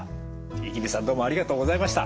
五十君さんどうもありがとうございました。